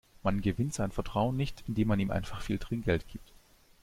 Man gewinnt sein Vertrauen nicht, indem man ihm einfach viel Trinkgeld gibt.